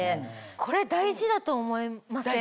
これ大事だと思いません？